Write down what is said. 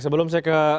sebelum saya ke